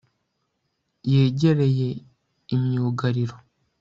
Yegereye imyugariro